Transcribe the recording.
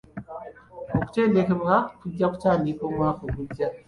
Okutendekebwa kujja kutandika omwaka ogujja.